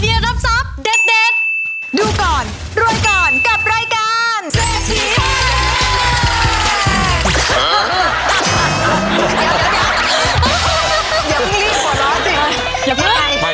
เดี๋ยวพึ่งรีบหัวเราสิอย่าพึ่งไกล